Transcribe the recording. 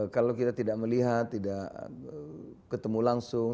kalau kita tidak melihat tidak ketemu langsung